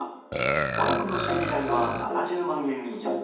バイクの修理代は７０万円以上。